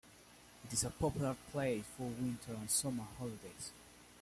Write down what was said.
It is a popular place for winter and summer holidays.